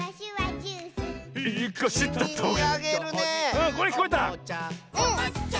うんこれきこえた！